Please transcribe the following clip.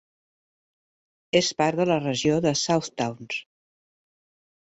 És part de la regió de Southtowns.